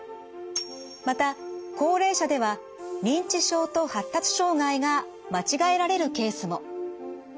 また高齢者では認知症と発達障害が間違えられるケースも。